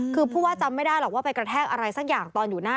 คือผู้ว่าจำไม่ได้หรอกว่าไปกระแทกอะไรสักอย่าง